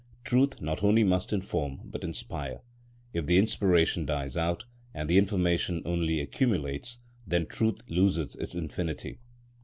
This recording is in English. Truth not only must inform but inspire. If the inspiration dies out, and the information only accumulates, then truth loses its infinity.